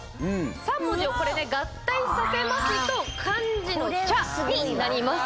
３文字を合体させますと漢字の「茶」になります。